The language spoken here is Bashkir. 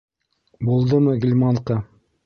Булдымы, Ғилманка?